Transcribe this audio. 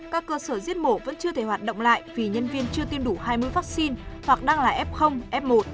các cơ sở giết mổ vẫn chưa thể hoạt động lại vì nhân viên chưa tiêm đủ hai mươi vaccine hoặc đang là f f một